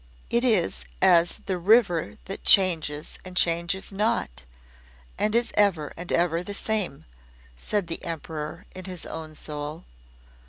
"It is as the river that changes and changes not, and is ever and ever the same," said the Emperor in his own soul.